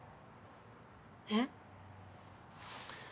えっ？